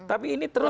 tapi ini terus